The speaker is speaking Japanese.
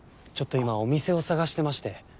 ちょっと今お店を探してまして。